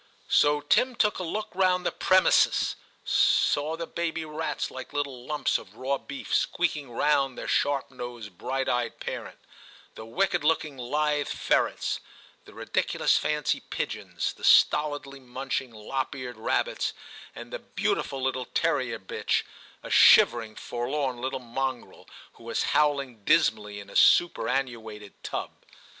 So Tim took a look round the * premisses,' saw the baby rats like little lumps of raw beef squeaking round their sharp nosed, bright eyed parent, the wicked looking lithe ferrets, the ridiculous fancy pigeons, the stolidly munching lop eared rabbits, and the * beautiful little terrier bitch,' a shivering, forlorn little loa TIM CHAP. mongrel, who was howling dismally in a superannuated tub.